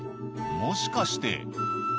もしかして」